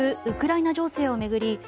ウクライナ情勢を巡り